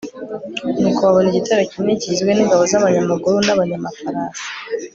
nuko babona igitero kinini kigizwe n'ingabo z'abanyamaguru n'abanyamafarasi